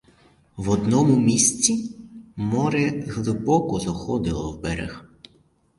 В одному місці море глибоко заходило в берег.